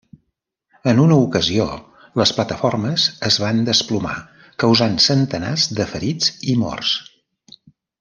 En una ocasió les plataformes es van desplomar, causant centenars de ferits i morts.